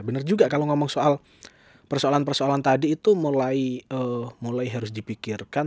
benar juga kalau ngomong soal persoalan persoalan tadi itu mulai harus dipikirkan